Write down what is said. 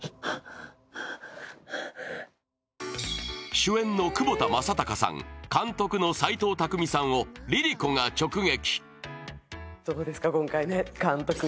主演の窪田正孝さん、監督の齊藤工さんをＬｉＬｉＣｏが直撃！